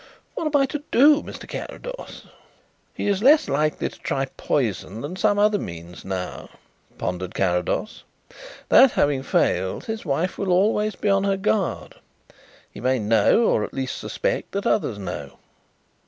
What am I to do, Mr. Carrados?" "He is less likely to try poison than some other means now," pondered Carrados. "That having failed, his wife will always be on her guard. He may know, or at least suspect, that others know.